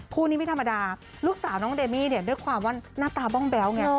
คู่นี้ไม่ธรรมดาลูกสาวน้องเดมี่เนี่ยด้วยความว่าหน้าตาบ้องแบ๊วไง